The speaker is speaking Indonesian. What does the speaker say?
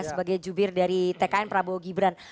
sebagai jubir dari tkn prabowo gibran